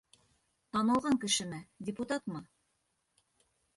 Танылған кешеме, депутатмы?